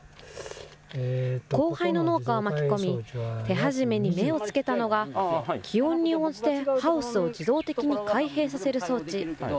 後輩の農家を巻き込み、手始めに目をつけたのが、気温に応じてハウスを自動的に開閉させる装置。